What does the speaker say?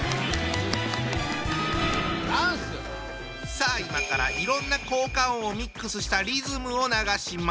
さあ今からいろんな効果音をミックスしたリズムを流します。